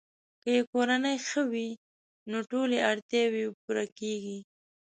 که یې کورنۍ ښه وي، نو ټولې اړتیاوې یې پوره کیږي.